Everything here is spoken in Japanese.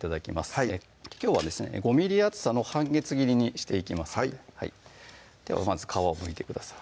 はいきょうはですね５ｍｍ厚さの半月切りにしていきますではまず皮をむいてください